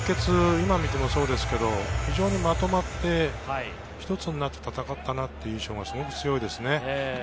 今見てもそうですけど非常にまとまって一つになって戦ったなという印象が強いですね。